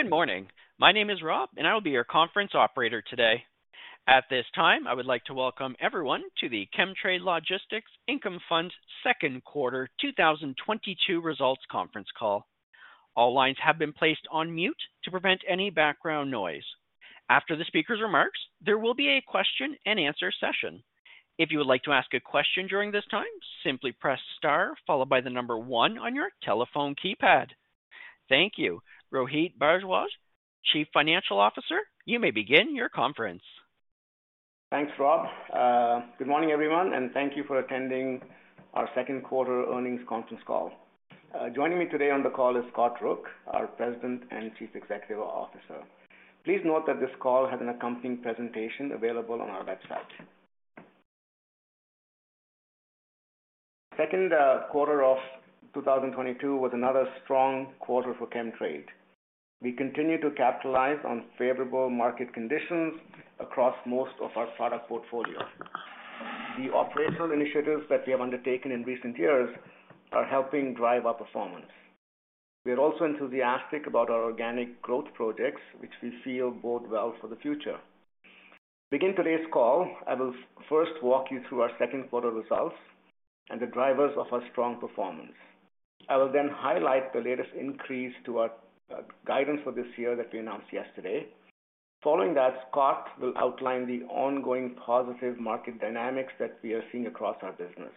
Good morning. My name is Rob, and I will be your conference operator today. At this time, I would like to welcome everyone to the Chemtrade Logistics Income Fund Q2 2022 results conference call. All lines have been placed on mute to prevent any background noise. After the speaker's remarks, there will be a question-and-answer session. If you would like to ask a question during this time, simply press star followed by the number one on your telephone keypad. Thank you. Rohit Bhardwaj, Chief Financial Officer, you may begin your conference. Thanks, Rob. Good morning, everyone, and thank you for attending our Q2 earnings conference call. Joining me today on the call is Scott Rook, our President and Chief Executive Officer. Please note that this call has an accompanying presentation available on our website. Q2 of 2022 was another strong quarter for Chemtrade. We continue to capitalize on favorable market conditions across most of our product portfolio. The operational initiatives that we have undertaken in recent years are helping drive our performance. We are also enthusiastic about our organic growth projects, which we feel bode well for the future. To begin today's call, I will first walk you through our Q2 results and the drivers of our strong performance. I will then highlight the latest increase to our guidance for this year that we announced yesterday. Following that, Scott will outline the ongoing positive market dynamics that we are seeing across our business.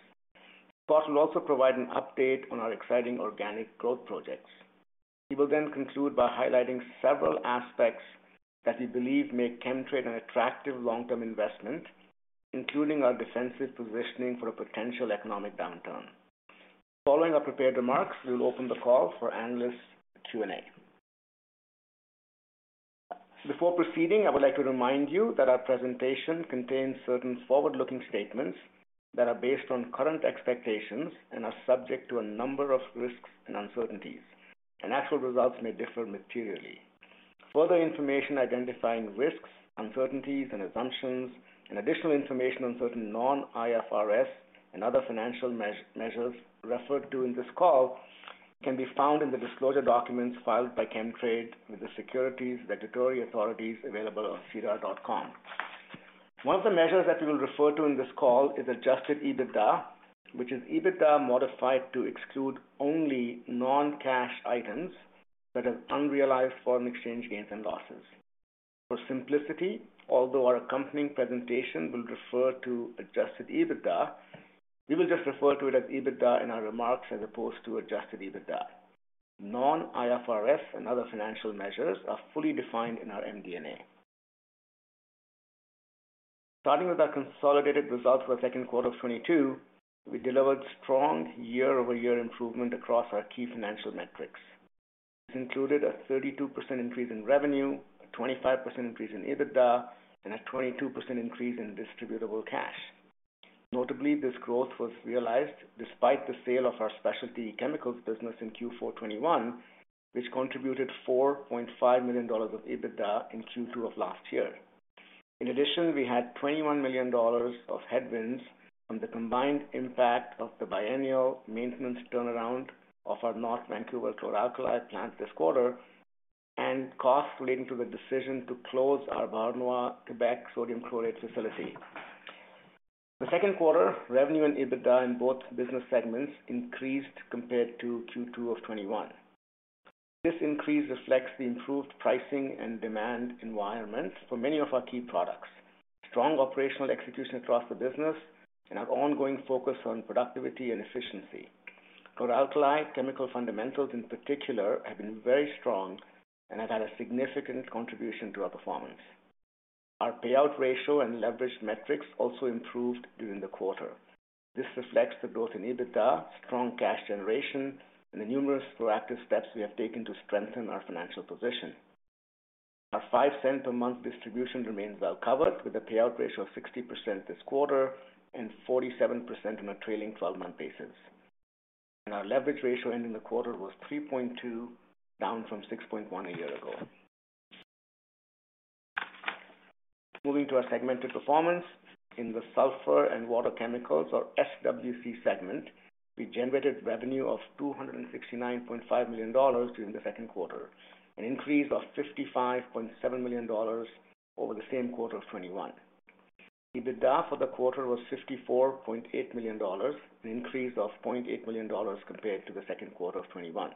Scott will also provide an update on our exciting organic growth projects. He will then conclude by highlighting several aspects that we believe make Chemtrade an attractive long-term investment, including our defensive positioning for a potential economic downturn. Following our prepared remarks, we will open the call for analyst Q&A. Before proceeding, I would like to remind you that our presentation contains certain forward-looking statements that are based on current expectations and are subject to a number of risks and uncertainties, and actual results may differ materially. Further information identifying risks, uncertainties, and assumptions and additional information on certain non-IFRS and other financial measures referred to in this call can be found in the disclosure documents filed by Chemtrade with the securities regulatory authorities available on sedar.com. One of the measures that we will refer to in this call is adjusted EBITDA, which is EBITDA modified to exclude only non-cash items such as unrealized foreign exchange gains and losses. For simplicity, although our accompanying presentation will refer to adjusted EBITDA, we will just refer to it as EBITDA in our remarks as opposed to adjusted EBITDA. Non-IFRS and other financial measures are fully defined in our MD&A. Starting with our consolidated results for the Q2 of 2022, we delivered strong year-over-year improvement across our key financial metrics. This included a 32% increase in revenue, a 25% increase in EBITDA, and a 22% increase in distributable cash. Notably, this growth was realized despite the sale of our specialty chemicals business in Q4 2021, which contributed 4.5 million dollars of EBITDA in Q2 of last year. In addition, we had 21 million dollars of headwinds from the combined impact of the biennial maintenance turnaround of our North Vancouver chlor-alkali plant this quarter and costs relating to the decision to close our Beauharnois, Quebec, sodium chloride facility. The Q2 revenue and EBITDA in both business segments increased compared to Q2 of 2021. This increase reflects the improved pricing and demand environment for many of our key products, strong operational execution across the business, and our ongoing focus on productivity and efficiency. Chlor-alkali chemical fundamentals in particular have been very strong and have had a significant contribution to our performance. Our payout ratio and leverage metrics also improved during the quarter. This reflects the growth in EBITDA, strong cash generation, and the numerous proactive steps we have taken to strengthen our financial position. Our 5-cent per month distribution remains well covered, with a payout ratio of 60% this quarter and 47% on a trailing twelve-month basis. Our leverage ratio ending the quarter was 3.2, down from 6.1 a year ago. Moving to our segmented performance in the sulfur and water chemicals or SWC segment, we generated revenue of 269.5 million dollars during the Q2, an increase of 55.7 million dollars over the same quarter of 2021. EBITDA for the quarter was 54.8 million dollars, an increase of 0.8 million dollars compared to the Q2 of 2021.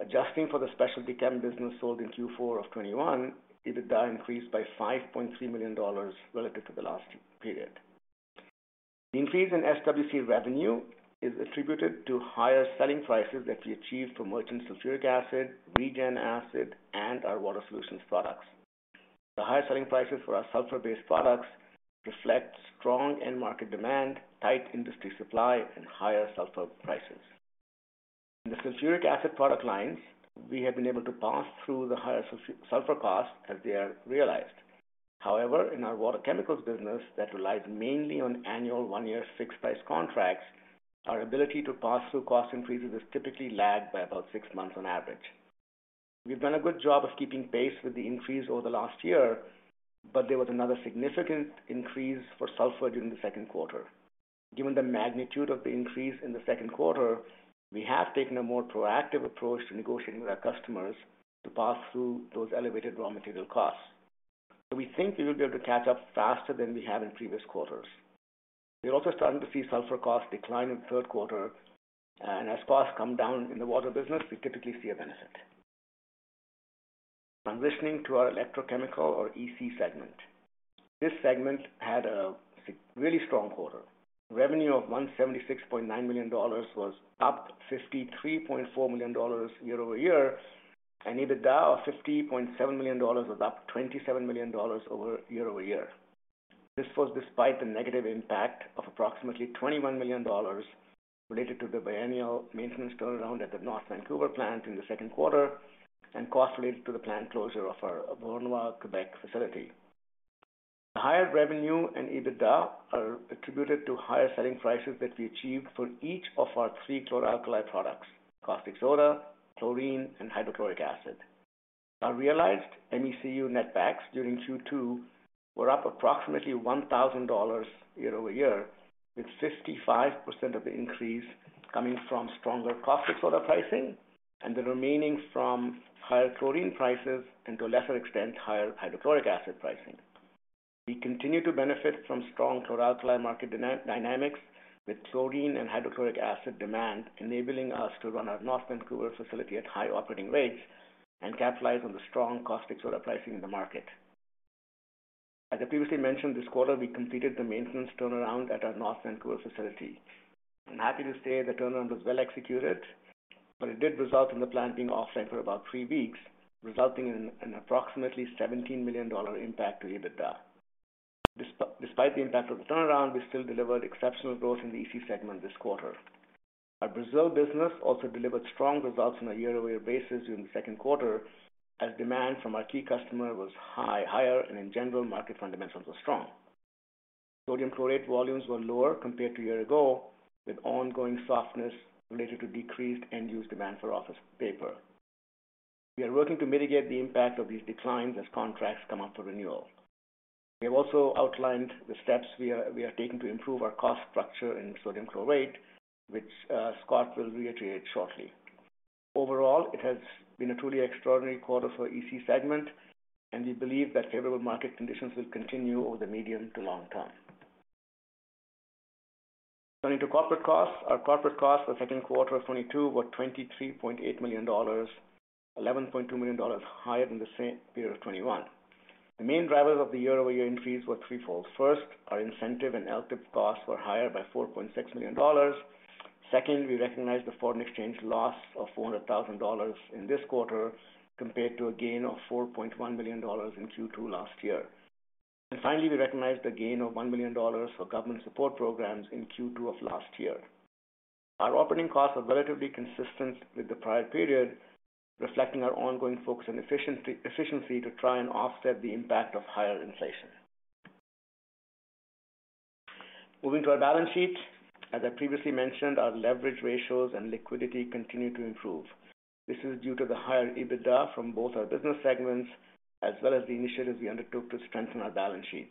Adjusting for the specialty chem business sold in Q4 of 2021, EBITDA increased by 5.3 million dollars relative to the last period. The increase in SWC revenue is attributed to higher selling prices that we achieved for merchant sulfuric acid, regen acid, and our water solutions products. The higher selling prices for our sulfur-based products reflect strong end market demand, tight industry supply, and higher sulfur prices. In the sulfuric acid product lines, we have been able to pass through the higher sulfur costs as they are realized. However, in our water chemicals business that relies mainly on annual one-year fixed price contracts, our ability to pass through cost increases is typically lagged by about six months on average. We've done a good job of keeping pace with the increase over the last year, but there was another significant increase for sulfur during the Q2. given the magnitude of the increase in the Q2, we have taken a more proactive approach to negotiating with our customers to pass through those elevated raw material costs. We think we will be able to catch up faster than we have in previous quarters. We are also starting to see sulfur costs decline in the Q3, and as costs come down in the water business, we typically see a benefit. Turning to our electrochemical or EC segment. This segment had a really strong quarter. Revenue of $176.9 million was up $53.4 million year-over-year, and EBITDA of $50.7 million was up $27 million year-over-year. This was despite the negative impact of approximately 21 million dollars related to the biennial maintenance turnaround at the North Vancouver plant in the Q2, and costs related to the plant closure of our Beauharnois, Quebec facility. The higher revenue and EBITDA are attributed to higher selling prices that we achieved for each of our three chlor-alkali products, Caustic Soda, Chlorine, and Hydrochloric Acid. Our realized MECU net backs during Q2 were up approximately 1,000 dollars year-over-year, with 55% of the increase coming from stronger Caustic Soda pricing and the remaining from higher Chlorine prices and to a lesser extent, higher Hydrochloric Acid pricing. We continue to benefit from strong chlor-alkali market dynamics with Chlorine and Hydrochloric Acid demand, enabling us to run our North Vancouver facility at high operating rates and capitalize on the strong Caustic Soda pricing in the market. As I previously mentioned, this quarter we completed the maintenance turnaround at our North Vancouver facility. I'm happy to say the turnaround was well executed, but it did result in the plant being offline for about three weeks, resulting in an approximately 17 million dollar impact to EBITDA. Despite the impact of the turnaround, we still delivered exceptional growth in the EC segment this quarter. Our Brazil business also delivered strong results on a year-over-year basis during the Q2, as demand from our key customer was higher, and in general, market fundamentals were strong. Sodium chlorate volumes were lower compared to a year ago, with ongoing softness related to decreased end-user demand for office paper. We are working to mitigate the impact of these declines as contracts come up for renewal. We have also outlined the steps we are taking to improve our cost structure in sodium chlorate, which Scott will reiterate shortly. Overall, it has been a truly extraordinary quarter for EC segment, and we believe that favorable market conditions will continue over the medium to long term. Turning to corporate costs. Our corporate costs for Q2 of 2022 were CAD 23.8 million, CAD 11.2 million higher than the same period of 2021. The main drivers of the year-over-year increase were threefold. First, our incentive and LTIP costs were higher by 4.6 million dollars. Second, we recognized the foreign exchange loss of 400,000 dollars in this quarter compared to a gain of 4.1 million dollars in Q2 last year. Finally, we recognized a gain of 1 million dollars for government support programs in Q2 of last year. Our operating costs are relatively consistent with the prior period, reflecting our ongoing focus on efficiency to try and offset the impact of higher inflation. Moving to our balance sheet. As I previously mentioned, our leverage ratios and liquidity continue to improve. This is due to the higher EBITDA from both our business segments as well as the initiatives we undertook to strengthen our balance sheet.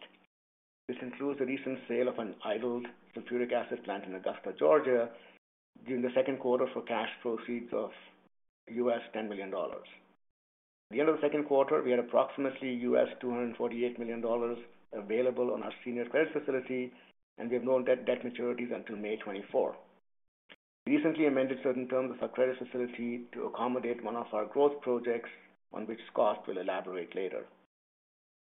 This includes the recent sale of an idled sulfuric acid plant in Augusta, Georgia, during the Q2 for cash proceeds of $10 million. At the end of the Q2, we had approximately $248 million available on our senior credit facility, and we have no debt maturities until May 2024. We recently amended certain terms of our credit facility to accommodate one of our growth projects on which Scott will elaborate later.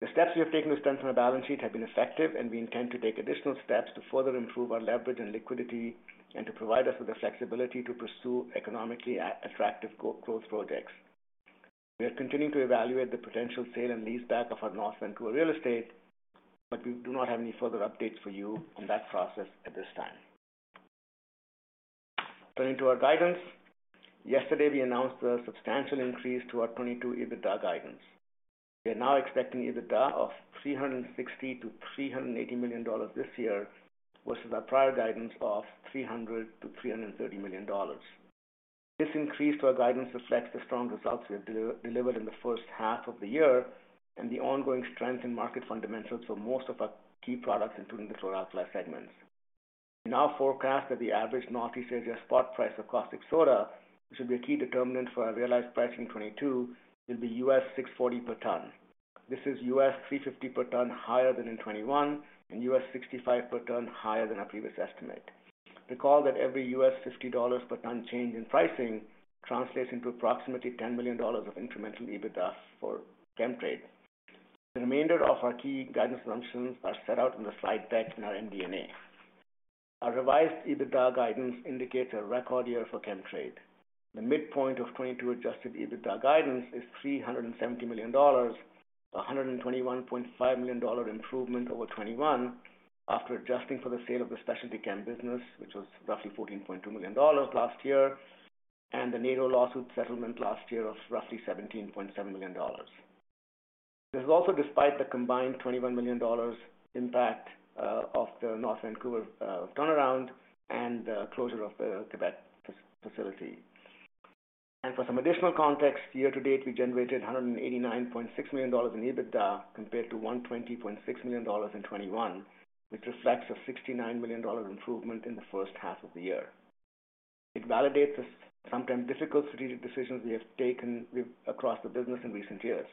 The steps we have taken to strengthen our balance sheet have been effective, and we intend to take additional steps to further improve our leverage and liquidity and to provide us with the flexibility to pursue economically attractive growth projects. We are continuing to evaluate the potential sale and leaseback of our North Vancouver real estate, but we do not have any further updates for you on that process at this time. Turning to our guidance. Yesterday, we announced a substantial increase to our 2022 EBITDA guidance. We are now expecting EBITDA of 360-380 million dollars this year versus our prior guidance of 300-330 million dollars. This increase to our guidance reflects the strong results we have delivered in the H1 of the year and the ongoing strength in market fundamentals for most of our key products, including the chlor-alkali segments. We now forecast that the average Northeast Asia spot price of caustic soda, which will be a key determinant for our realized price in 2022, will be $640 per ton. This is $350 per ton higher than in 2021 and $65 per ton higher than our previous estimate. Recall that every $50 per ton change in pricing translates into approximately $10 million of incremental EBITDA for Chemtrade. The remainder of our key guidance assumptions are set out in the slide deck in our MD&A. Our revised EBITDA guidance indicates a record year for Chemtrade. The midpoint of 2022 Adjusted EBITDA guidance is 370 million dollars, a 121.5 million dollar improvement over 2021 after adjusting for the sale of the specialty chem business, which was roughly 14.2 million dollars last year, and the NATO] lawsuit settlement last year of roughly 17.7 million dollars. This is also despite the combined 21 million dollars impact of the North Vancouver turnaround and closure of the Quebec facility. For some additional context, year to date, we generated 189.6 million dollars in EBITDA compared to 120.6 million dollars in 2021, which reflects a 69 million dollar improvement in the H1 of the year. It validates the sometimes difficult strategic decisions we have taken across the business in recent years.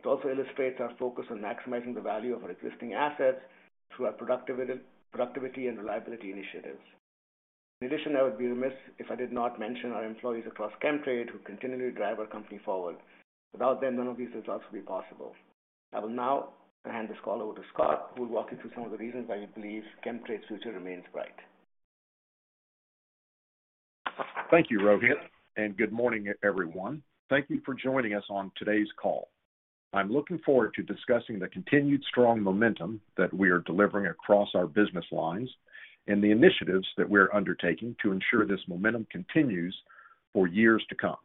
It also illustrates our focus on maximizing the value of our existing assets through our productivity and reliability initiatives. In addition, I would be remiss if I did not mention our employees across Chemtrade who continually drive our company forward. Without them, none of these results would be possible. I will now hand this call over to Scott, who will walk you through some of the reasons why we believe Chemtrade's future remains bright. Thank you, Rohit, and good morning, everyone. Thank you for joining us on today's call. I'm looking forward to discussing the continued strong momentum that we are delivering across our business lines and the initiatives that we're undertaking to ensure this momentum continues for years to come.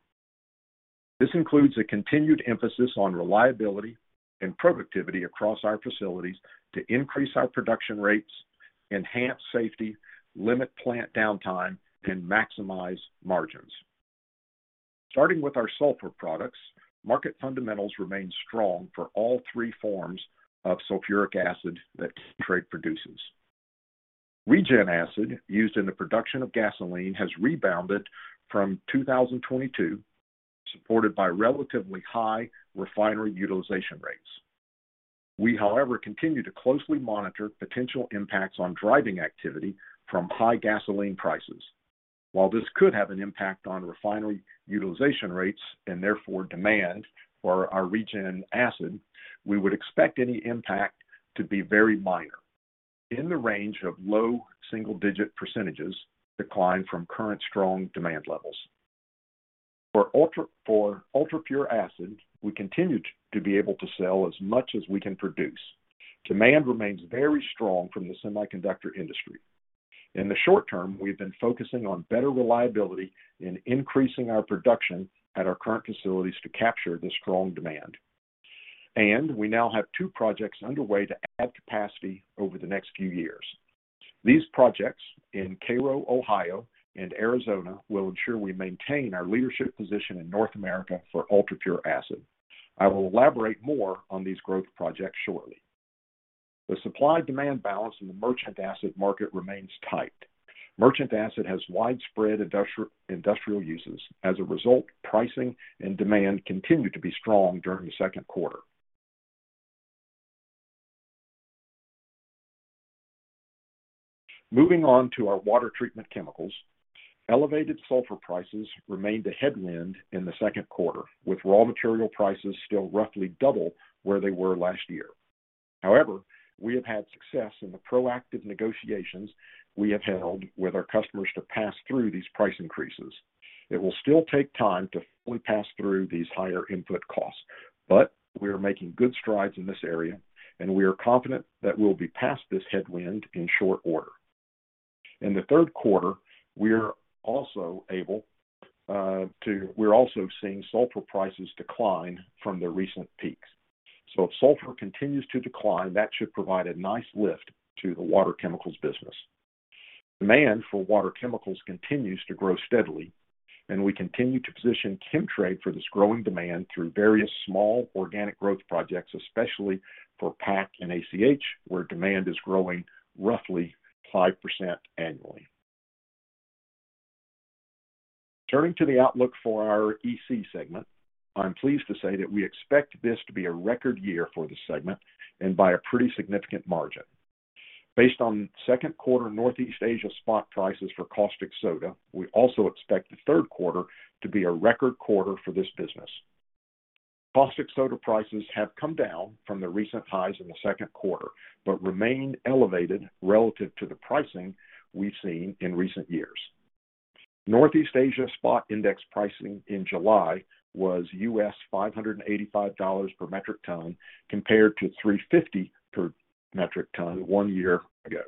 This includes a continued emphasis on reliability and productivity across our facilities to increase our production rates, enhance safety, limit plant downtime, and maximize margins. Starting with our sulfur products, market fundamentals remain strong for all three forms of Sulfuric Acid that Chemtrade produces. Regen Acid, used in the production of gasoline, has rebounded from 2022, supported by relatively high refinery utilization rates. We, however, continue to closely monitor potential impacts on driving activity from high gasoline prices. While this could have an impact on refinery utilization rates, and therefore demand for our Regen Acid, we would expect any impact to be very minor, in the range of low single-digit % decline from current strong demand levels. For UltraPure Acid, we continue to be able to sell as much as we can produce. Demand remains very strong from the semiconductor industry. In the short term, we've been focusing on better reliability and increasing our production at our current facilities to capture this strong demand, and we now have two projects underway to add capacity over the next few years. These projects in Cairo, Ohio, and Arizona will ensure we maintain our leadership position in North America for UltraPure Acid. I will elaborate more on these growth projects shortly. The supply-demand balance in the Merchant Acid market remains tight. Merchant Acid has widespread industrial uses. As a result, pricing and demand continued to be strong during the Q2. Moving on to our water treatment chemicals. Elevated sulfur prices remained a headwind in the Q2, with raw material prices still roughly double where they were last year. However, we have had success in the proactive negotiations we have held with our customers to pass through these price increases. It will still take time to fully pass through these higher input costs, but we are making good strides in this area, and we are confident that we'll be past this headwind in short order. In the Q3, we're also seeing sulfur prices decline from their recent peaks. If sulfur continues to decline, that should provide a nice lift to the water chemicals business. Demand for water chemicals continues to grow steadily, and we continue to position Chemtrade for this growing demand through various small organic growth projects, especially for PAC and ACH, where demand is growing roughly 5% annually. Turning to the outlook for our EC segment, I'm pleased to say that we expect this to be a record year for the segment and by a pretty significant margin. Based on Q2 Northeast Asia spot prices for caustic soda, we also expect the Q3 to be a record quarter for this business. Caustic soda prices have come down from the recent highs in the Q2, but remain elevated relative to the pricing we've seen in recent years. Northeast Asia spot index pricing in July was $585 per metric ton, compared to $350 per metric ton one year ago.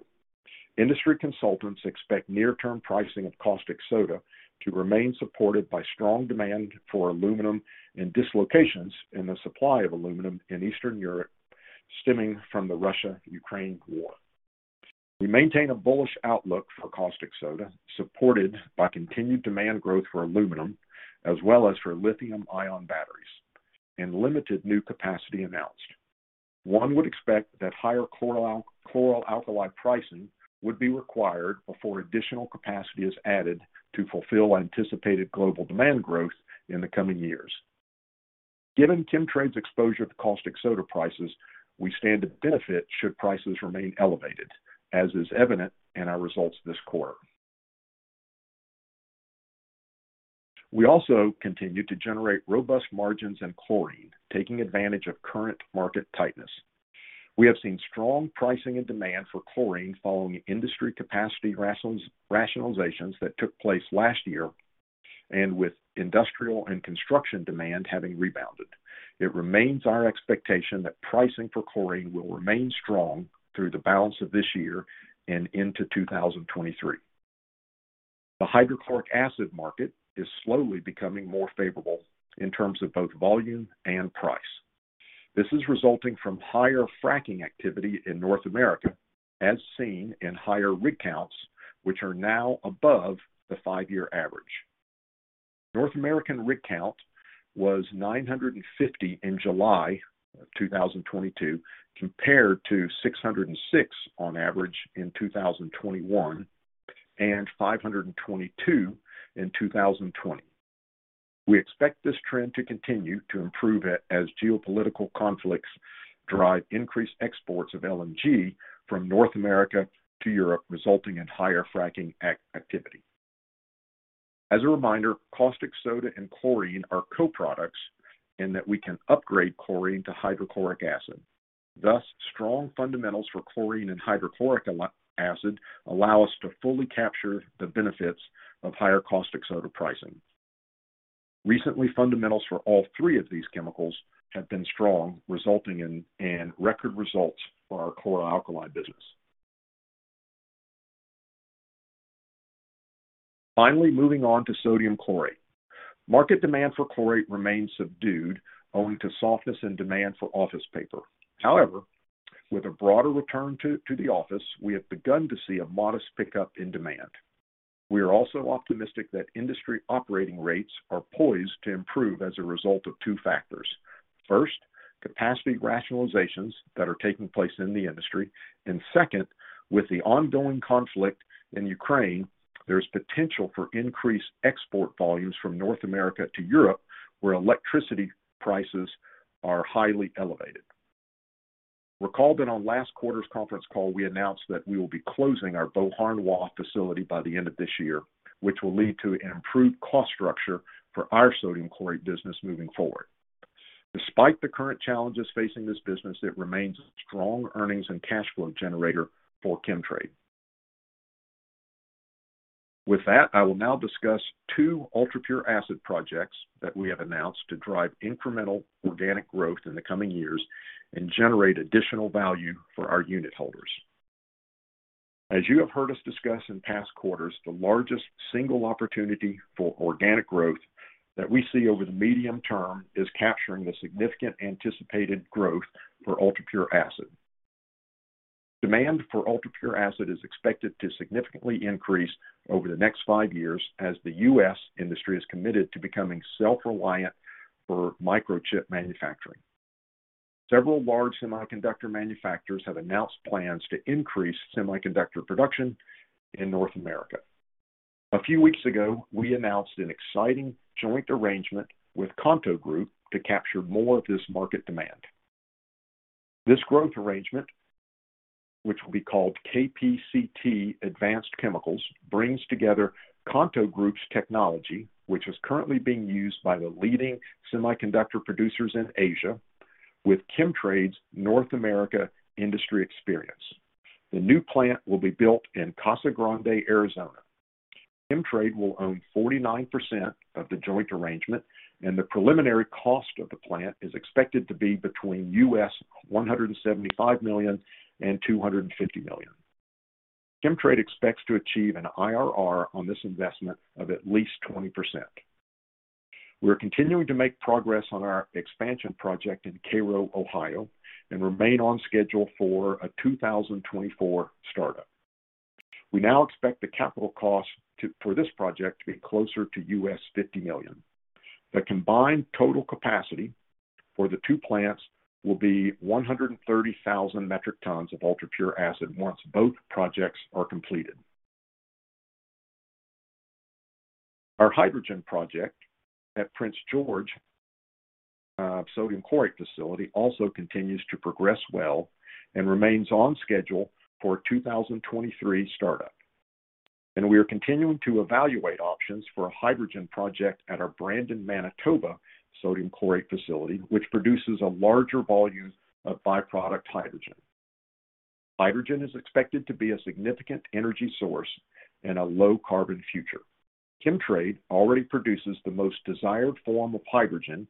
Industry consultants expect near-term pricing of caustic soda to remain supported by strong demand for aluminum and dislocations in the supply of aluminum in Eastern Europe stemming from the Russia-Ukraine war. We maintain a bullish outlook for caustic soda, supported by continued demand growth for aluminum as well as for lithium-ion batteries and limited new capacity announced. One would expect that higher chlor-alkali pricing would be required before additional capacity is added to fulfill anticipated global demand growth in the coming years. Given Chemtrade's exposure to caustic soda prices, we stand to benefit should prices remain elevated, as is evident in our results this quarter. We also continue to generate robust margins in chlorine, taking advantage of current market tightness. We have seen strong pricing and demand for chlorine following industry capacity rationalizations that took place last year, and with industrial and construction demand having rebounded. It remains our expectation that pricing for chlorine will remain strong through the balance of this year and into 2023. The hydrochloric acid market is slowly becoming more favorable in terms of both volume and price. This is resulting from higher fracking activity in North America, as seen in higher rig counts, which are now above the five-year average. North American rig count was 950 in July of 2022, compared to 606 on average in 2021, and 522 in 2020. We expect this trend to continue to improve as geopolitical conflicts drive increased exports of LNG from North America to Europe, resulting in higher fracking activity. As a reminder, caustic soda and chlorine are co-products in that we can upgrade chlorine to hydrochloric acid. Thus, strong fundamentals for chlorine and hydrochloric acid allow us to fully capture the benefits of higher caustic soda pricing. Recently, fundamentals for all three of these chemicals have been strong, resulting in record results for our chlor-alkali business. Finally, moving on to sodium chlorate. Market demand for chlorate remains subdued owing to softness in demand for office paper. However, with a broader return to the office, we have begun to see a modest pickup in demand. We are also optimistic that industry operating rates are poised to improve as a result of two factors. First, capacity rationalizations that are taking place in the industry. Second, with the ongoing conflict in Ukraine, there's potential for increased export volumes from North America to Europe, where electricity prices are highly elevated. Recall that on last quarter's conference call, we announced that we will be closing our Beauharnois facility by the end of this year, which will lead to an improved cost structure for our Sodium Chlorate business moving forward. Despite the current challenges facing this business, it remains a strong earnings and cash flow generator for Chemtrade. With that, I will now discuss two UltraPure Acid projects that we have announced to drive incremental organic growth in the coming years and generate additional value for our unitholders. As you have heard us discuss in past quarters, the largest single opportunity for organic growth that we see over the medium term is capturing the significant anticipated growth for UltraPure Acid. Demand for UltraPure Acid is expected to significantly increase over the next five years as the US industry is committed to becoming self-reliant for microchip manufacturing. Several large semiconductor manufacturers have announced plans to increase semiconductor production in North America. A few weeks ago, we announced an exciting joint arrangement with Kanto Group to capture more of this market demand. This growth arrangement, which will be called KPCT Advanced Chemicals, brings together Kanto Group's technology, which is currently being used by the leading semiconductor producers in Asia, with Chemtrade's North America industry experience. The new plant will be built in Casa Grande, Arizona. Chemtrade will own 49% of the joint arrangement, and the preliminary cost of the plant is expected to be between $175 million and $250 million. Chemtrade expects to achieve an IRR on this investment of at least 20%. We're continuing to make progress on our expansion project in Cairo, Ohio, and remain on schedule for a 2024 start-up. We now expect the capital cost for this project to be closer to $50 million. The combined total capacity for the two plants will be 130,000 metric tons of UltraPure Acid once both projects are completed. Our hydrogen project at Prince George, Sodium Chlorate facility also continues to progress well and remains on schedule for a 2023 start-up. We are continuing to evaluate options for a hydrogen project at our Brandon, Manitoba, Sodium Chlorate facility, which produces a larger volume of byproduct hydrogen. Hydrogen is expected to be a significant energy source in a low carbon future. Chemtrade already produces the most desired form of hydrogen,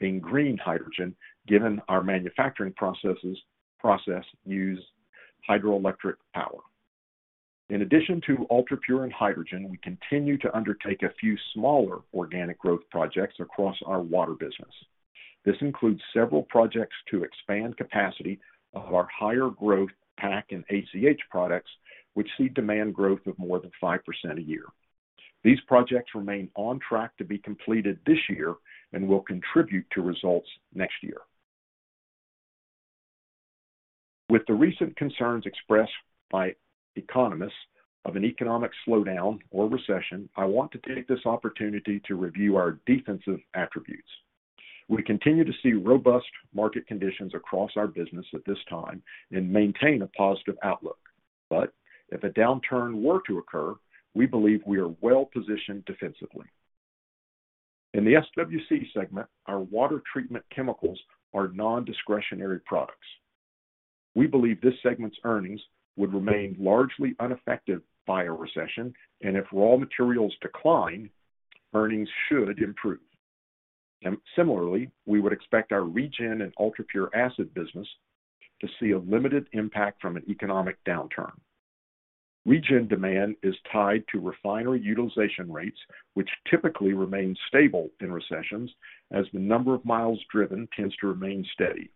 being green hydrogen, given our manufacturing processes use hydroelectric power. In addition to ultrapure and hydrogen, we continue to undertake a few smaller organic growth projects across our water business. This includes several projects to expand capacity of our higher growth PAC and ACH products, which see demand growth of more than 5% a year. These projects remain on track to be completed this year and will contribute to results next year. With the recent concerns expressed by economists of an economic slowdown or recession, I want to take this opportunity to review our defensive attributes. We continue to see robust market conditions across our business at this time and maintain a positive outlook. If a downturn were to occur, we believe we are well positioned defensively. In the SWC segment, our water treatment chemicals are non-discretionary products. We believe this segment's earnings would remain largely unaffected by a recession, and if raw materials decline, earnings should improve. Similarly, we would expect our Regen and UltraPure Acid business to see a limited impact from an economic downturn. Regen demand is tied to refinery utilization rates, which typically remain stable in recessions as the number of miles driven tends to remain steady.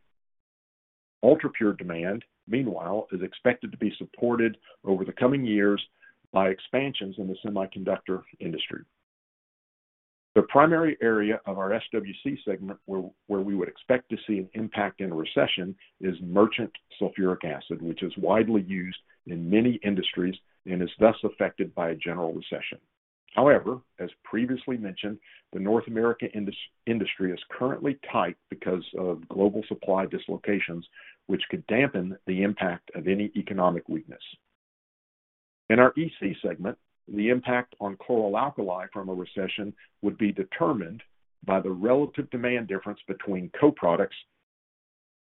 UltraPure demand, meanwhile, is expected to be supported over the coming years by expansions in the semiconductor industry. The primary area of our SWC segment where we would expect to see an impact in a recession is Merchant Sulfuric Acid, which is widely used in many industries and is thus affected by a general recession. However, as previously mentioned, the North America industry is currently tight because of global supply dislocations, which could dampen the impact of any economic weakness. In our EC segment, the impact on Chlor-alkali from a recession would be determined by the relative demand difference between co-products,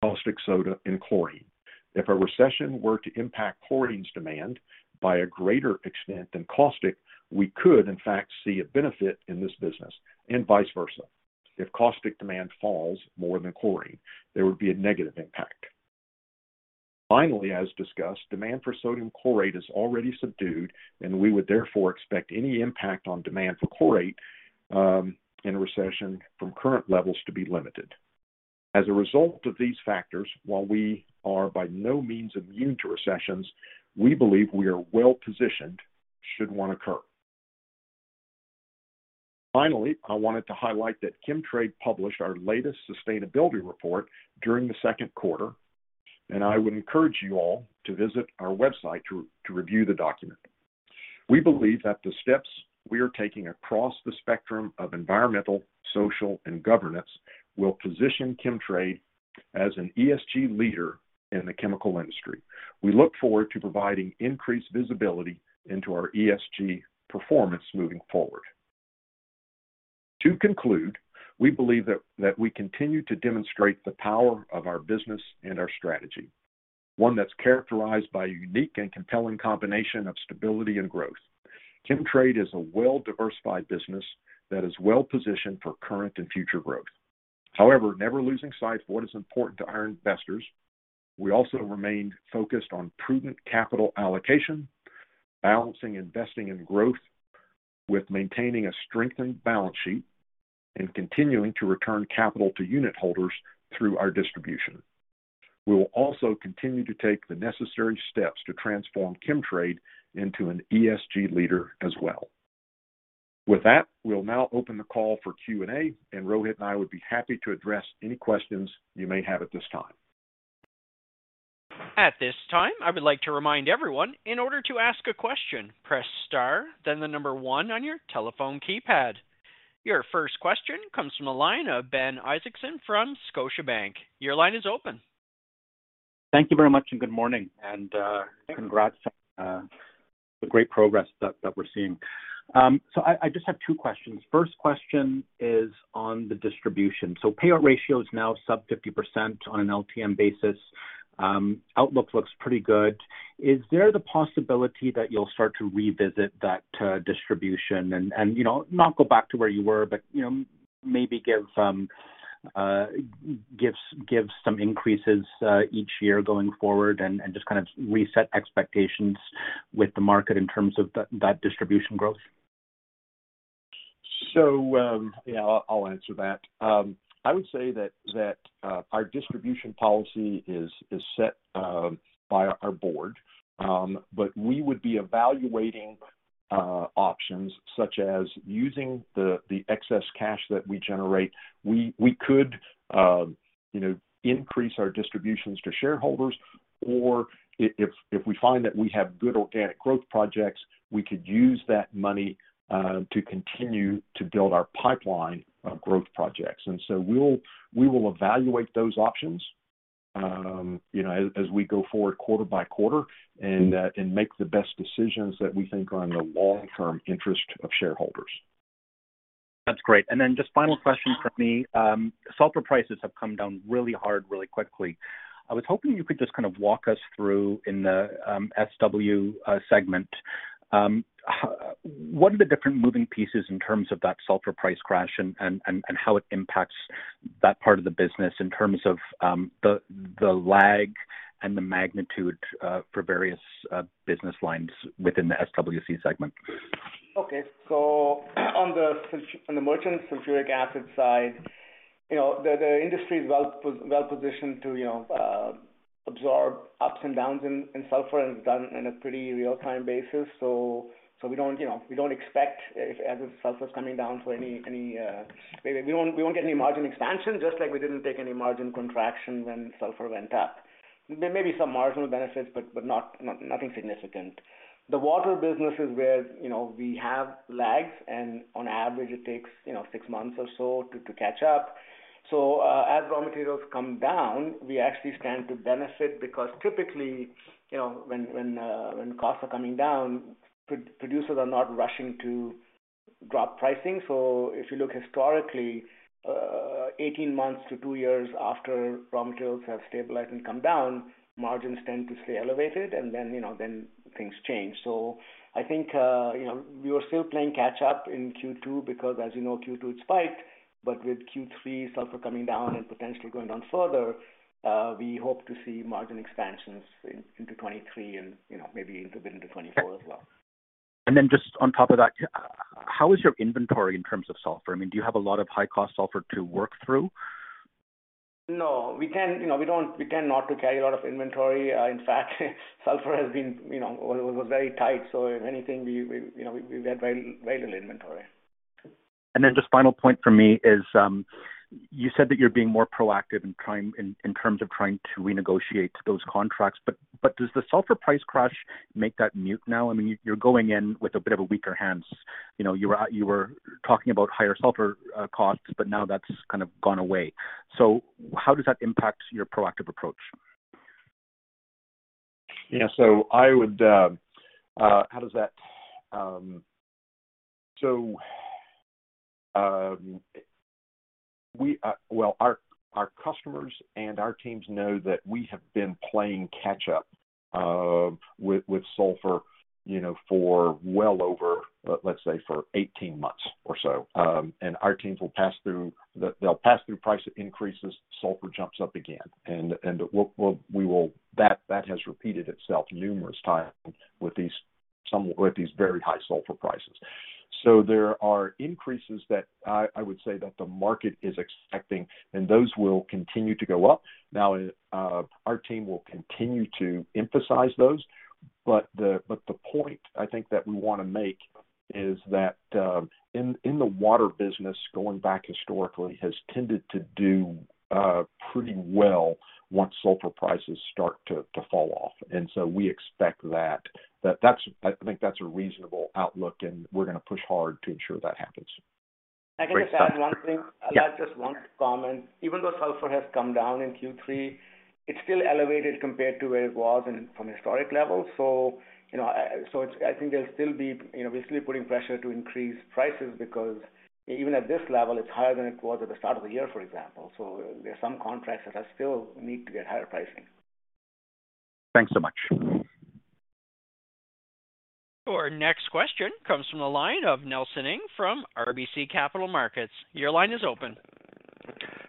caustic soda and Chlorine. If a recession were to impact chlorine's demand by a greater extent than caustic, we could in fact see a benefit in this business, and vice versa. If caustic demand falls more than chlorine, there would be a negative impact. Finally, as discussed, demand for sodium chlorate is already subdued, and we would therefore expect any impact on demand for chlorate in a recession from current levels to be limited. As a result of these factors, while we are by no means immune to recessions, we believe we are well-positioned should one occur. Finally, I wanted to highlight that Chemtrade published our latest sustainability report during the Q2, and I would encourage you all to visit our website to review the document. We believe that the steps we are taking across the spectrum of environmental, social, and governance will position Chemtrade as an ESG leader in the chemical industry. We look forward to providing increased visibility into our ESG performance moving forward. To conclude, we believe that we continue to demonstrate the power of our business and our strategy, one that's characterized by a unique and compelling combination of stability and growth. Chemtrade is a well-diversified business that is well-positioned for current and future growth. However, never losing sight of what is important to our investors, we also remained focused on prudent capital allocation, balancing investing in growth with maintaining a strengthened balance sheet, and continuing to return capital to unitholders through our distribution. We will also continue to take the necessary steps to transform Chemtrade into an ESG leader as well. With that, we'll now open the call for Q&A, and Rohit and I would be happy to address any questions you may have at this time. At this time, I would like to remind everyone, in order to ask a question, press star, then the number one on your telephone keypad. Your first question comes from the line of Ben Isaacson from Scotiabank. Your line is open. Thank you very much and good morning. Thank you. Congrats on the great progress that we're seeing. I just have two questions. First question is on the distribution. Payout ratio is now sub 50% on an LTM basis. Outlook looks pretty good. Is there the possibility that you'll start to revisit that distribution and, you know, not go back to where you were, but, you know, maybe give some increases each year going forward and just kind of reset expectations with the market in terms of that distribution growth? Yeah, I'll answer that. I would say that our distribution policy is set by our board. We would be evaluating options such as using the excess cash that we generate. We could, you know, increase our distributions to shareholders, or if we find that we have good organic growth projects, we could use that money to continue to build our pipeline of growth projects. We will evaluate those options, you know, as we go forward quarter by quarter. Mm-hmm. make the best decisions that we think are in the long-term interest of shareholders. That's great. Just final question from me. Sulfur prices have come down really hard, really quickly. I was hoping you could just kind of walk us through in the SW segment what are the different moving pieces in terms of that sulfur price crash and how it impacts that part of the business in terms of the lag and the magnitude for various business lines within the SWC segment? Okay. On the merchant sulfuric acid side, you know, the industry is well-positioned to, you know, absorb ups and downs in sulfur, and it's done in a pretty real-time basis. We don't, you know, expect as if sulfur's coming down for any. We won't get any margin expansion, just like we didn't take any margin contraction when sulfur went up. There may be some marginal benefits, but nothing significant. The water business is where, you know, we have lags, and on average it takes, you know, six months or so to catch up. As raw materials come down, we actually stand to benefit because typically, you know, when costs are coming down, producers are not rushing to drop pricing. If you look historically, 18 months to two years after raw materials have stabilized and come down, margins tend to stay elevated and then, you know, then things change. I think, you know, we were still playing catch up in Q2 because as you know, Q2 spiked. With Q3 sulfur coming down and potentially going down further, we hope to see margin expansions into 2023 and, you know, maybe into 2024 as well. Just on top of that, how is your inventory in terms of sulfur? I mean, do you have a lot of high-cost sulfur to work through? No, we can't, you know, we tend not to carry a lot of inventory. In fact, sulfur has been, you know, was very tight. If anything, we, you know, had very little inventory. Just final point from me is, you said that you're being more proactive in terms of trying to renegotiate those contracts. Does the sulfur price crash make that moot now? I mean, you're going in with a bit of a weaker hand. You know, you were talking about higher sulfur costs, but now that's kind of gone away. How does that impact your proactive approach? Our customers and our teams know that we have been playing catch up with sulfur, you know, for well over, let's say, 18 months or so. Our teams will pass through price increases. Sulfur jumps up again, and that has repeated itself numerous times with these very high sulfur prices. There are increases that I would say the market is expecting, and those will continue to go up. Now, our team will continue to emphasize those. The point I think that we wanna make is that in the water business, going back historically, has tended to do pretty well once sulfur prices start to fall off. We expect that. I think that's a reasonable outlook, and we're gonna push hard to ensure that happens. Great. Thanks. If I can just add one thing. Yeah. I'll add just one comment. Even though sulfur has come down in Q3, it's still elevated compared to where it was from historic levels. You know, I think there'll still be, you know, we're still putting pressure to increase prices because even at this level, it's higher than it was at the start of the year, for example. There are some contracts that still need to get higher pricing. Thanks so much. Our next question comes from the line of Nelson Ng from RBC Capital Markets. Your line is open.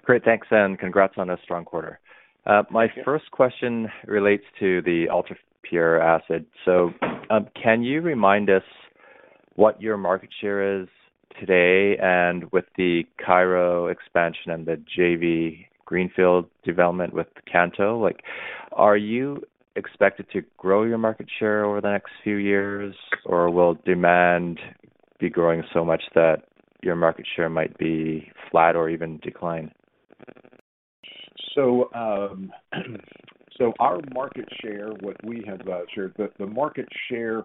Great. Thanks, and congrats on a strong quarter. Thank you. My first question relates to the UltraPure Acid. Can you remind us what your market share is today? With the Cairo expansion and the JV greenfield development with Kanto, like, are you expected to grow your market share over the next few years? Or will demand be growing so much that your market share might be flat or even decline? Our market share, what we have shared, the market share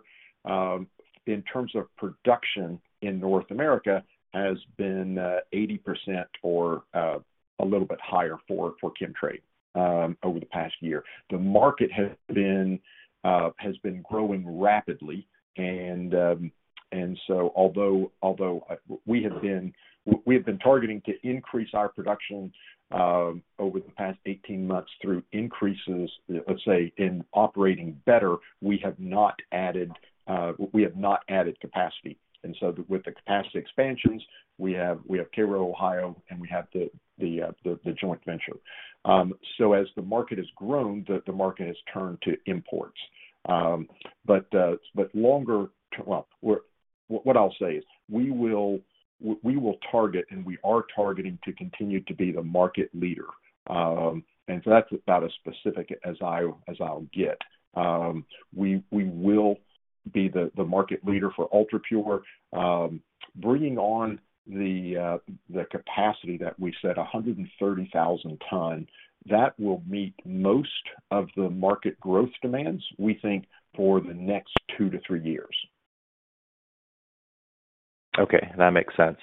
in terms of production in North America has been 80% or a little bit higher for Chemtrade over the past year. The market has been growing rapidly and so although we have been targeting to increase our production over the past 18 months through increases, let's say, in operating better, we have not added capacity. With the capacity expansions, we have Cairo, Ohio, and we have the joint venture. As the market has grown, the market has turned to imports. Longer term. What I'll say is we will target, and we are targeting to continue to be the market leader. That's about as specific as I'll get. We will be the market leader for UltraPure. Bringing on the capacity that we said, 130,000 tons, that will meet most of the market growth demands, we think, for the next 2-3 years. Okay. That makes sense.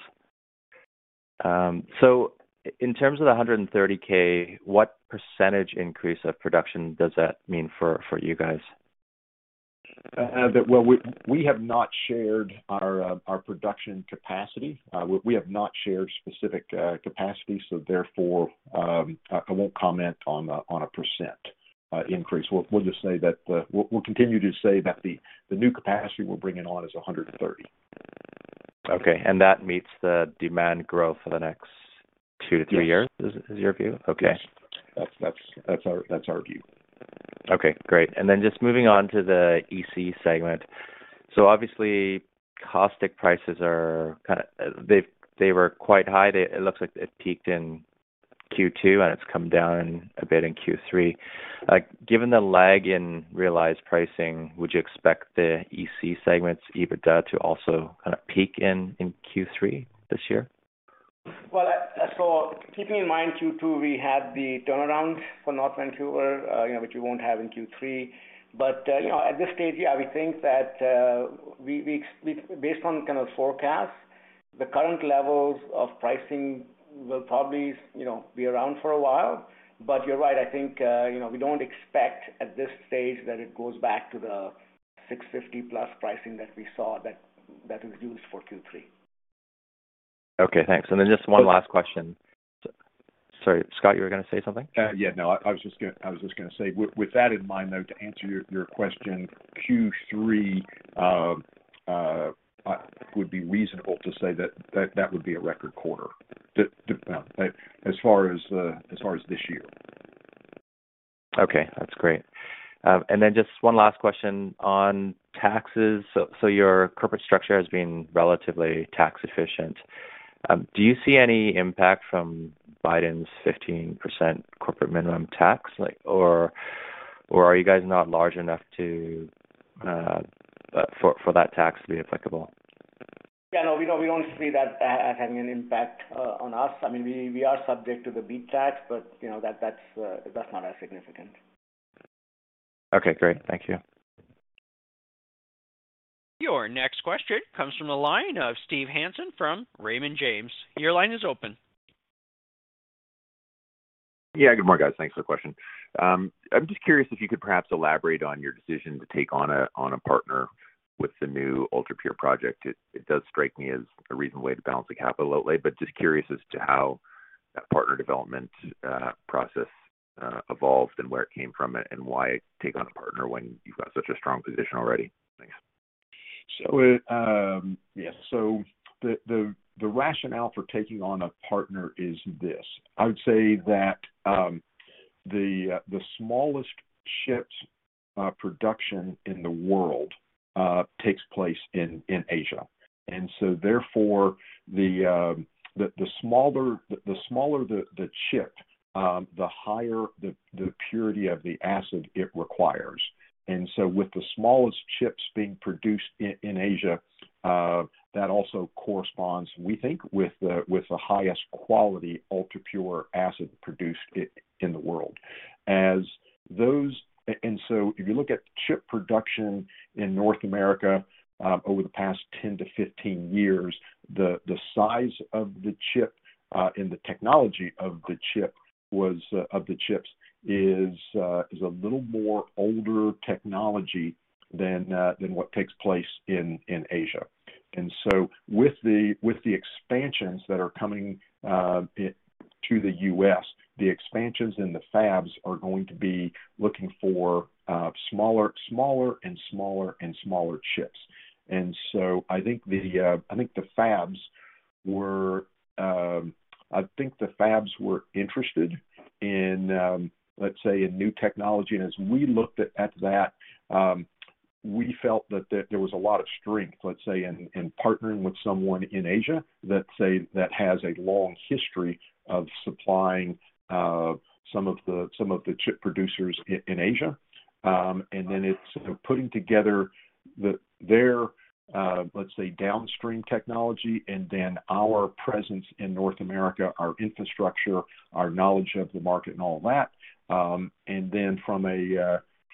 In terms of the 130,000, what percentage increase of production does that mean for you guys? Well, we have not shared our production capacity. We have not shared specific capacity, so therefore, I won't comment on a percent increase. We'll just say that we'll continue to say that the new capacity we're bringing on is 130. Okay. That meets the demand growth for the next 2-3 years. Yes. is your view? Okay. Yes. That's our view. Okay, great. Then just moving on to the EC segment. Obviously, caustic prices are kinda. They were quite high. It looks like it peaked in Q2, and it's come down a bit in Q3. Given the lag in realized pricing, would you expect the EC segment's EBITDA to also kinda peak in Q3 this year? Keeping in mind Q2, we had the turnaround for North Vancouver, you know, which we won't have in Q3. At this stage, yeah, we think that based on kind of forecast, the current levels of pricing will probably, you know, be around for a while. You're right, I think, you know, we don't expect at this stage that it goes back to the 650+ pricing that we saw that was used for Q3. Okay, thanks. Just one last question. Sorry, Scott, you were gonna say something? Yeah, no, I was just gonna say, with that in mind, though, to answer your question, Q3 would be reasonable to say that would be a record quarter as far as this year. Okay, that's great. Just one last question on taxes. Your corporate structure has been relatively tax efficient. Do you see any impact from Biden's 15% corporate minimum tax? Are you guys not large enough for that tax to be applicable? Yeah, no, we don't see that as having an impact on us. I mean, we are subject to the BEAT Tax, but you know, that's not as significant. Okay, great. Thank you. Your next question comes from the line of Steve Hansen from Raymond James. Your line is open. Yeah. Good morning, guys. Thanks for the question. I'm just curious if you could perhaps elaborate on your decision to take on a partner with the new UltraPure project. It does strike me as a reasoned way to balance the capital outlay, but just curious as to how that partner development process evolved and where it came from and why take on a partner when you've got such a strong position already. Thanks. The rationale for taking on a partner is this. I would say that the smallest chips production in the world takes place in Asia. Therefore, the smaller the chip, the higher the purity of the acid it requires. With the smallest chips being produced in Asia, that also corresponds, we think, with the highest quality UltraPure acid produced in the world. If you look at chip production in North America over the past 10-15 years, the size of the chip and the technology of the chips is a little more older technology than what takes place in Asia. With the expansions that are coming to the U.S., the expansions and the fabs are going to be looking for smaller and smaller chips. I think the fabs were interested in, let's say, new technology. As we looked at that, we felt that there was a lot of strength, let's say, in partnering with someone in Asia that has a long history of supplying some of the chip producers in Asia. Then it's putting together their downstream technology and our presence in North America, our infrastructure, our knowledge of the market and all that.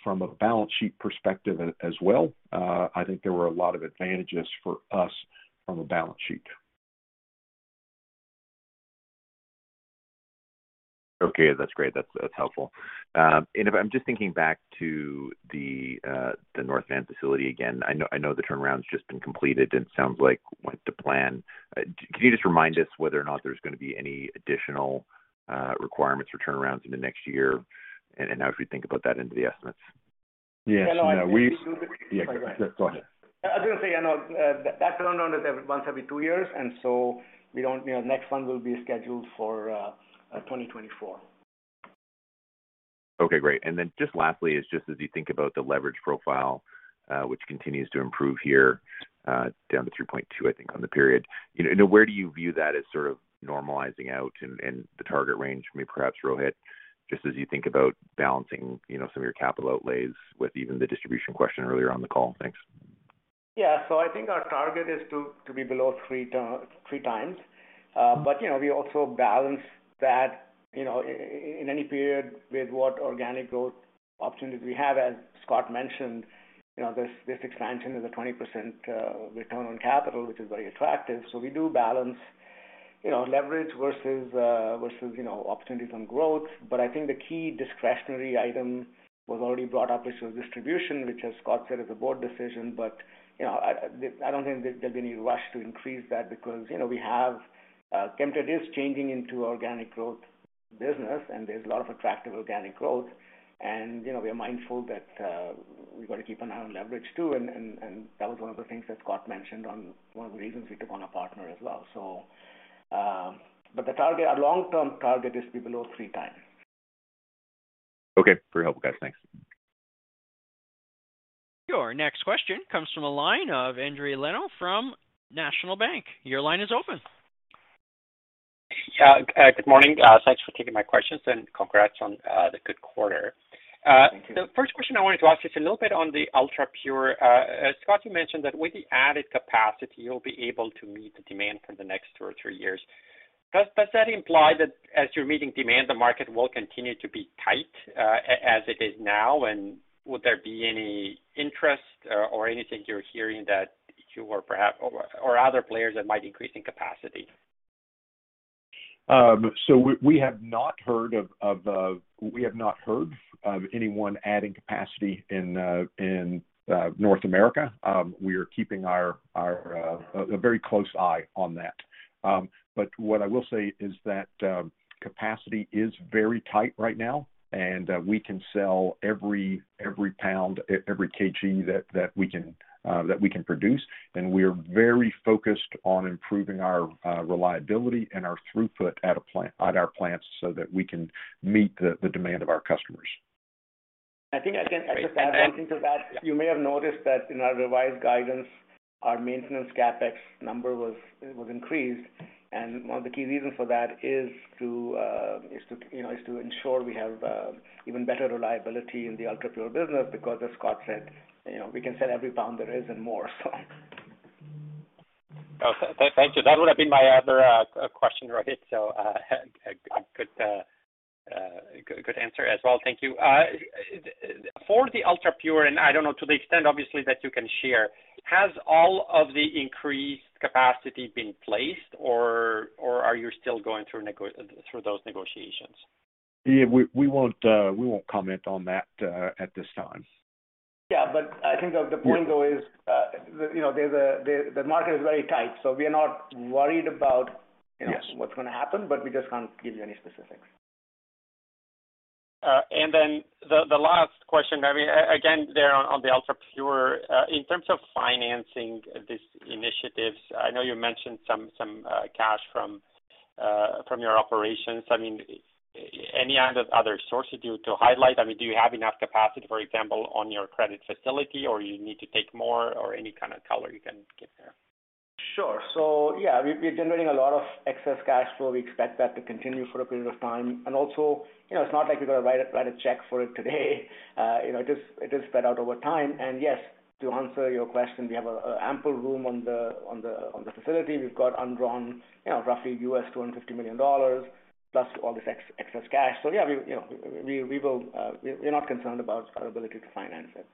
From a balance sheet perspective as well, I think there were a lot of advantages for us from a balance sheet. Okay. That's great. That's helpful. I'm just thinking back to the North Van facility again. I know the turnaround's just been completed, and it sounds like went to plan. Can you just remind us whether or not there's gonna be any additional requirements for turnarounds in the next year, and how we should think about that into the estimates? Yes. No, Yeah, no. I think we do. Yeah. Yes. Go ahead. I was gonna say, you know, that turnaround is every once every two years, and so we don't, you know, next one will be scheduled for 2024. Okay, great. Just lastly is just as you think about the leverage profile, which continues to improve here, down to 3.2, I think, on the period. You know, where do you view that as sort of normalizing out and the target range maybe perhaps, Rohit, just as you think about balancing, you know, some of your capital outlays with even the distribution question earlier on the call. Thanks. I think our target is to be below three times. We also balance that, you know, in any period with what organic growth opportunities we have. As Scott mentioned, you know, this expansion is a 20% return on capital, which is very attractive. We do balance, you know, leverage versus opportunities on growth. I think the key discretionary item was already brought up, which was distribution, which as Scott said is a board decision. You know, I don't think there'd be any rush to increase that because, you know, we have Chemtrade is changing into organic growth business, and there's a lot of attractive organic growth. you know, we are mindful that we've got to keep an eye on leverage too, and that was one of the things that Scott mentioned as one of the reasons we took on a partner as well. but the target, our long-term target is to be below three times. Okay. Very helpful, guys. Thanks. Your next question comes from the line of Andrew Wong from National Bank. Your line is open. Yeah. Good morning. Thanks for taking my questions and congrats on the good quarter. Thank you. The first question I wanted to ask is a little bit on the UltraPure. Scott, you mentioned that with the added capacity, you'll be able to meet the demand for the next two or three years. Does that imply that as you're meeting demand, the market will continue to be tight, as it is now? Would there be any interest or anything you're hearing that you or perhaps other players that might increase in capacity? We have not heard of anyone adding capacity in North America. We are keeping a very close eye on that. What I will say is that capacity is very tight right now, and we can sell every pound, every kg that we can produce. We are very focused on improving our reliability and our throughput at our plants so that we can meet the demand of our customers. I think I can just add one thing to that. You may have noticed that in our revised guidance, our maintenance CapEx number was increased. One of the key reasons for that is to ensure we have even better reliability in the UltraPure business because as Scott said, you know, we can sell every pound there is and more so. Okay. Thank you. That would have been my other question, Rohit. A good answer as well. Thank you for the UltraPure, and I don't know, to the extent obviously that you can share, has all of the increased capacity been placed or are you still going through those negotiations? Yeah. We won't comment on that at this time. Yeah. I think the point though is, you know, the market is very tight, so we are not worried about- Yes You know, what's gonna happen, but we just can't give you any specifics. The last question, I mean, again there on the UltraPure, in terms of financing these initiatives, I know you mentioned some cash from your operations. I mean, any other sources you to highlight? I mean, do you have enough capacity, for example, on your credit facility or you need to take more, or any kind of color you can give there? Sure. Yeah, we're generating a lot of excess cash flow. We expect that to continue for a period of time. Also, you know, it's not like we've got to write a check for it today. You know, it is spread out over time. Yes, to answer your question, we have ample room on the facility. We've got undrawn, you know, roughly $250 million plus all this excess cash. Yeah, you know, we're not concerned about our ability to finance it.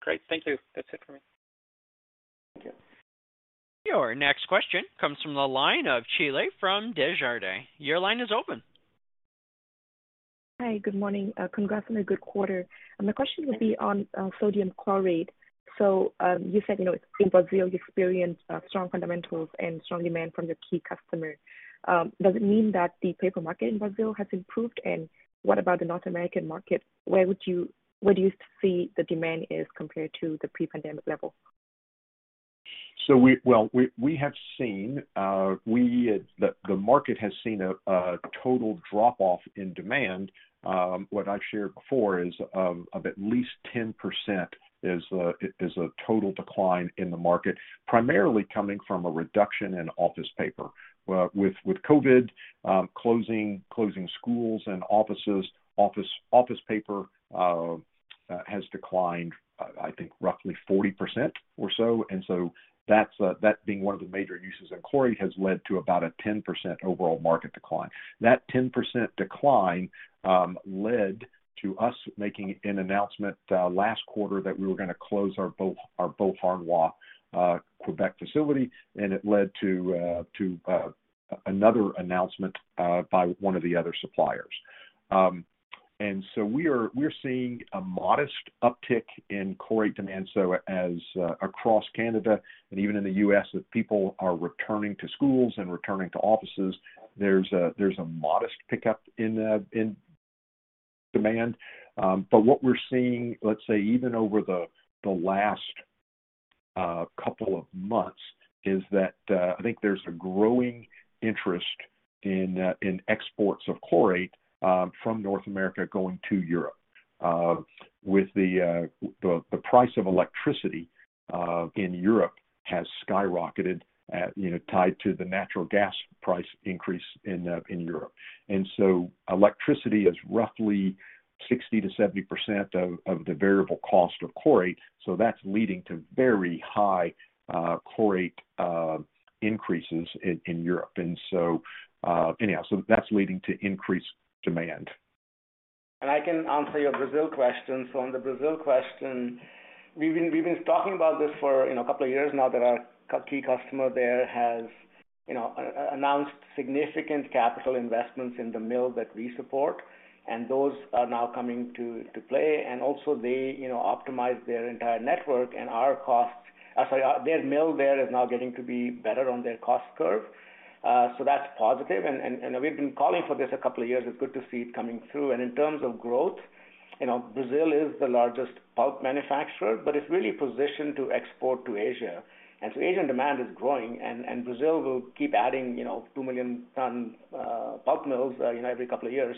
Great. Thank you. That's it for me. Thank you. Your next question comes from the line of Gary Ho from Desjardins. Your line is open. Hi. Good morning. Congrats on a good quarter. The question will be on sodium chlorate. You said in Brazil you experienced strong fundamentals and strong demand from your key customer. Does it mean that the paper market in Brazil has improved? What about the North American market? Where do you see the demand is compared to the pre-pandemic level? We have seen the market has seen a total drop-off in demand. What I've shared before is of at least 10% a total decline in the market, primarily coming from a reduction in office paper. With COVID closing schools and offices, office paper has declined. I think roughly 40% or so. That's being one of the major uses of chlorate has led to about a 10% overall market decline. That 10% decline led to us making an announcement last quarter that we were gonna close our Beauharnois, Quebec facility, and it led to another announcement by one of the other suppliers. We're seeing a modest uptick in chlorate demand. As across Canada and even in the U.S., as people are returning to schools and returning to offices, there's a modest pickup in demand. What we're seeing, let's say even over the last couple of months, is that I think there's a growing interest in exports of chlorate from North America going to Europe. With the price of electricity in Europe has skyrocketed, you know, tied to the natural gas price increase in Europe. Electricity is roughly 60%-70% of the variable cost of chlorate. That's leading to very high chlorate increases in Europe. That's leading to increased demand. I can answer your Brazil question. On the Brazil question, we've been talking about this for, you know, a couple of years now that our key customer there has, you know, announced significant capital investments in the mill that we support, and those are now coming to play. Also they, you know, optimize their entire network and our costs. I'm sorry. Their mill there is now getting to be better on their cost curve. That's positive. We've been calling for this a couple of years. It's good to see it coming through. In terms of growth, you know, Brazil is the largest pulp manufacturer, but it's really positioned to export to Asia. Asian demand is growing and Brazil will keep adding, you know, 2 million ton pulp mills, you know, every couple of years.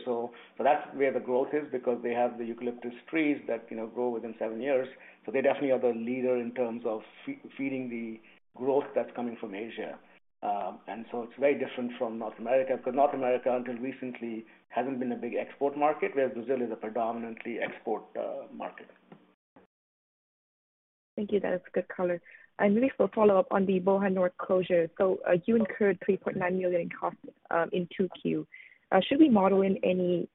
That's where the growth is because they have the eucalyptus trees that, you know, grow within seven years. They definitely are the leader in terms of feeding the growth that's coming from Asia. It's very different from North America, because North America until recently hasn't been a big export market, whereas Brazil is a predominantly export market. Thank you. That's good color. Maybe for follow-up on the Beauharnois closure. You incurred 3.9 million in costs in 2Q. Should we model in any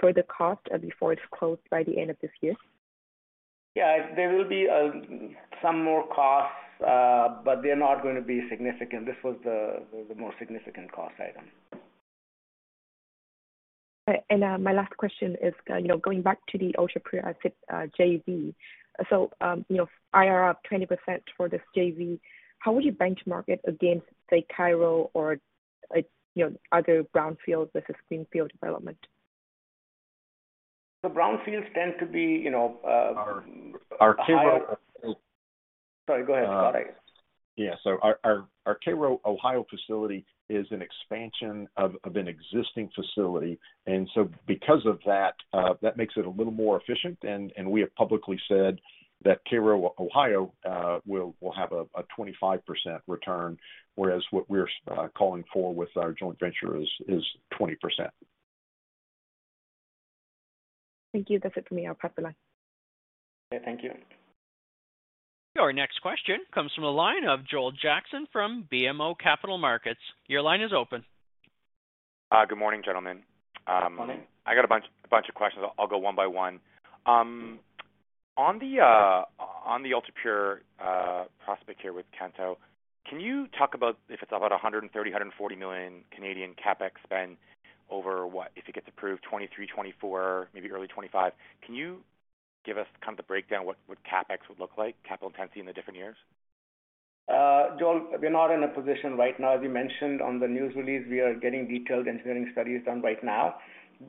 further cost before it's closed by the end of this year? Yeah. There will be some more costs, but they're not gonna be significant. This was the more significant cost item. Okay. My last question is, you know, going back to the UltraPure JV. You know, IRR up 20% for this JV, how would you benchmark it against, say, Kanto or, you know, other brownfields versus greenfield development? The brownfields tend to be, you know, Our Cairo Sorry, go ahead, Scott, I guess. Yeah. Our Cairo, Ohio facility is an expansion of an existing facility. Because of that makes it a little more efficient. We have publicly said that Cairo, Ohio will have a 25% return, whereas what we're calling for with our joint venture is 20%. Thank you. That's it for me. I'll prep the line. Okay, thank you. Our next question comes from the line of Joel Jackson from BMO Capital Markets. Your line is open. Good morning, gentlemen. Good morning. I got a bunch of questions. I'll go one by one. On the UltraPure prospect here with Kanto, can you talk about if it's about 130-140 million CapEx spend over, if it gets approved, 2023, 2024, maybe early 2025? Can you give us kind of the breakdown what CapEx would look like, capital intensity in the different years? Joel, we're not in a position right now. As we mentioned on the news release, we are getting detailed engineering studies done right now.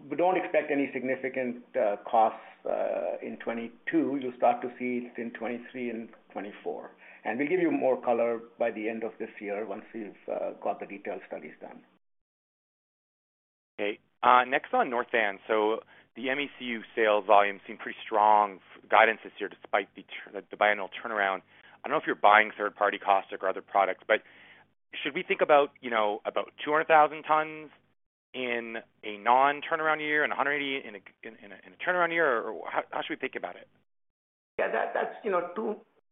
We don't expect any significant costs in 2022. You'll start to see it in 2023 and 2024. We'll give you more color by the end of this year once we've got the detailed studies done. Okay. Next on North Van. The MECU sales volume seems pretty strong guidance this year, despite the biannual turnaround. I don't know if you're buying third-party caustic or other products, but should we think about, you know, about 200,000 tons in a non-turnaround year and 180,000 in a turnaround year? Or how should we think about it? Yeah, that's, you know,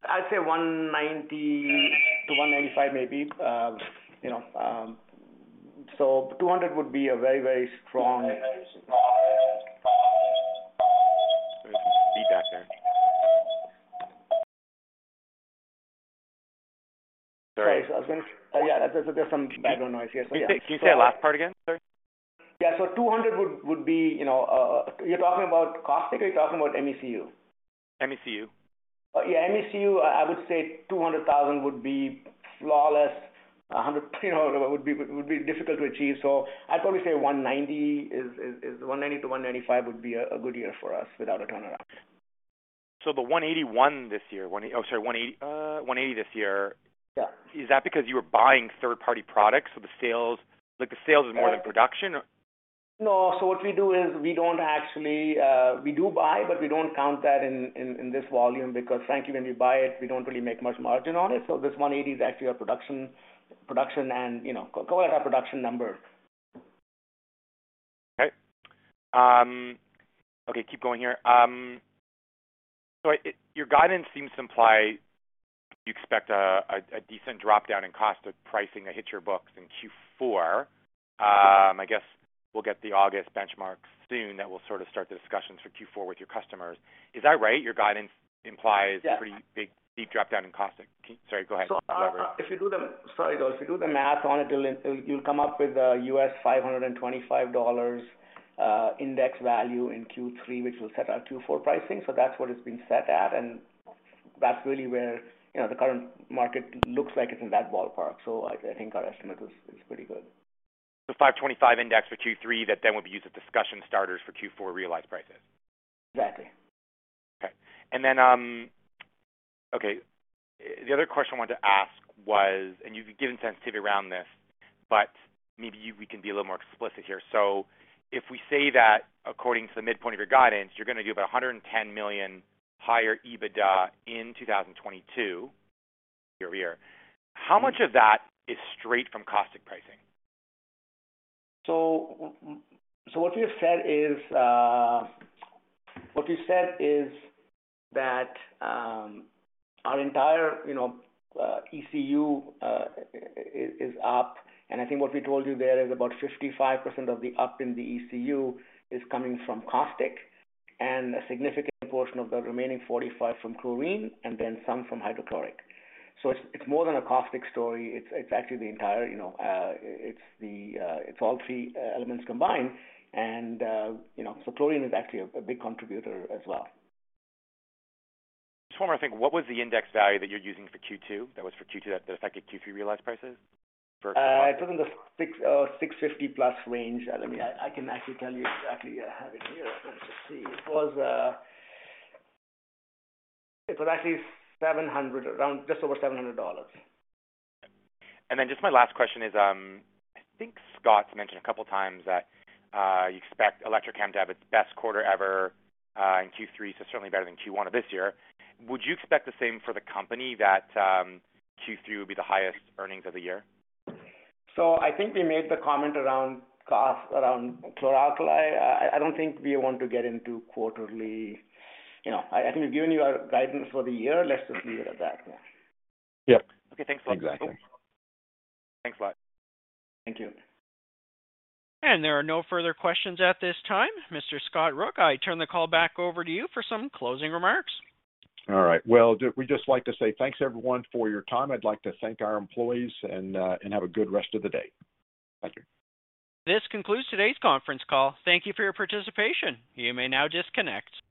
I'd say 190-195 maybe. You know, so 200 would be a very, very strong. Sorry, there's some feedback there. Sorry. Sorry. Yeah, there's some background noise. Yes. Yeah. Can you say that last part again? Sorry. 200 would be, you know, you're talking about caustic or you're talking about MECU? MECU. MECU, I would say 200,000 would be flawless. 100,000, you know, would be difficult to achieve. I'd probably say 190,000-195,000 would be a good year for us without a turnaround. The 181 this year. 180 this year. Yeah. Is that because you were buying third-party products, so the sales like the sales is more than production? No. What we do is we do buy, but we don't count that in this volume because frankly, when we buy it, we don't really make much margin on it. This 180 is actually our production and, you know, call it our production number. Okay, keep going here. Your guidance seems to imply you expect a decent drop down in costs or pricing that hit your books in Q4. I guess we'll get the August benchmarks soon that will sort of start the discussions for Q4 with your customers. Is that right? Yeah. A pretty big dropdown in caustic. Sorry, go ahead. Whatever. Sorry, Joel. If you do the math on it, you'll come up with a $525 index value in Q3, which will set our 2024 pricing. That's what it's been set at, and that's really where, you know, the current market looks like it's in that ballpark. I think our estimate is pretty good. The $525 index for Q3 that then will be used as discussion starters for Q4 realized prices. Exactly. The other question I wanted to ask was, and you've given sensitivity around this, but maybe we can be a little more explicit here. If we say that according to the midpoint of your guidance, you're gonna do about 110 million higher EBITDA in 2022 year-over-year, how much of that is straight from caustic pricing? What we've said is that our entire, you know, ECU is up. I think what we told you there is about 55% of the up in the ECU is coming from caustic and a significant portion of the remaining 45% from chlorine and then some from hydrochloric. It's more than a caustic story. It's actually the entire, you know, it's all three elements combined. You know, chlorine is actually a big contributor as well. Just wanna think, what was the index value that you're using for Q2, that was for Q2 that affected Q3 realized prices for? It was in the 650+ range. I can actually tell you exactly. I have it here. Let's just see. It was actually 700, around just over 700 dollars. Just my last question is, I think Scott's mentioned a couple times that you expect Electrochem to have its best quarter ever in Q3, so certainly better than Q1 of this year. Would you expect the same for the company that Q3 would be the highest earnings of the year? I think we made the comment around cost, around Chlor-alkali. I don't think we want to get into quarterly. You know, I think we've given you our guidance for the year. Let's just leave it at that. Yep. Okay, thanks a lot. Exactly. Thanks a lot. Thank you. There are no further questions at this time. Mr. Scott Rook, I turn the call back over to you for some closing remarks. All right. Well, we'd just like to say thanks, everyone, for your time. I'd like to thank our employees and have a good rest of the day. Thank you. This concludes today's conference call. Thank you for your participation. You may now disconnect.